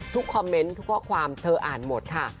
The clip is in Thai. คอมเมนต์ทุกข้อความเธออ่านหมดค่ะ